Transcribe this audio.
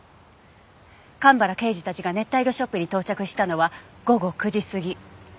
蒲原刑事たちが熱帯魚ショップに到着したのは午後９時過ぎ。